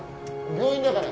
病院だから。